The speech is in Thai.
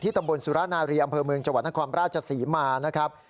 ที่ตำบลสุราณารีย์อำเภอเมืองจังหวัดนักความราชศรีมานะครับ